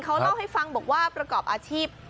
เขาเล่าให้ฟังบอกว่าประกอบอาชีพ